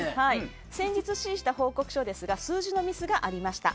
先日指示した報告書ですが数字のミスがありました。